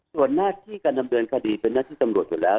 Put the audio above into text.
ส่วนหน้าที่การดำเนินคดีเป็นหน้าที่ตำรวจอยู่แล้ว